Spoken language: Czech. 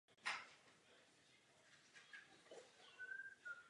Nikdy nebyl členem jakékoliv politické strany.